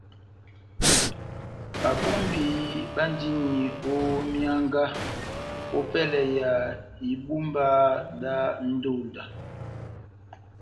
Babumbi bandini ó myánga ópɛlɛ ya ibumba dá ndonda.